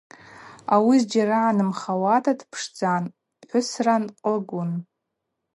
Ауи зджьара йгӏанымхауата дпшдзан, пхӏвысра нкъвылгун.